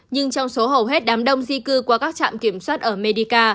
nhưng trong số hầu hết đám đông di cư qua các trạm kiểm soát ở medica